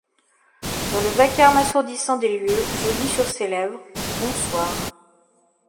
Dans le vacarme assourdissant des lieux, je lis sur ses lèvres :— Bonsoir.